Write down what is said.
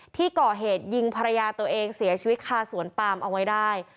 ที่ก่อเหตุยิงภรรยาตัวเองเสียชีวิตคาสวนปามเอาไว้ได้